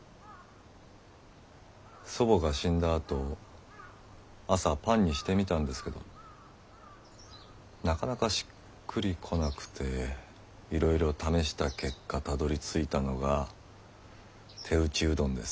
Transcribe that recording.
祖母が死んだあと朝パンにしてみたんですけどなかなかしっくりこなくていろいろ試した結果たどりついたのが手打ちうどんです。